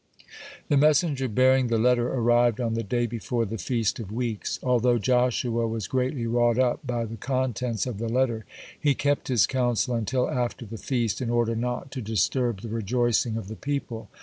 The messenger bearing the letter arrived on the day before the Feast of Weeks. Although Joshua was greatly wrought up by the contents of the letter, he kept his counsel until after the feast, in order not to disturb the rejoicing of the people.